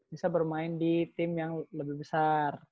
bisa bermain di tim yang lebih besar